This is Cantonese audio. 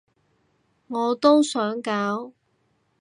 我都想搞